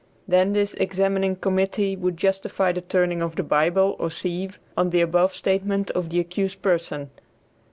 Then this examining committee would justify the turning of the Bible or sieve on the above statement of the accused person.